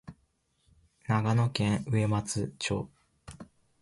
長野県上松町